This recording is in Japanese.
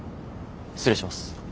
失礼します。